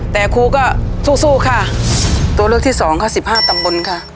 แต่ครูก็สู้สู้ค่ะตัวเลือกที่สองค่ะสิบห้าตำบลค่ะ